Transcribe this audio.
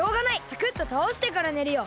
サクッとたおしてからねるよ。